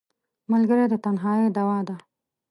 ملګری د تنهایۍ دواء ده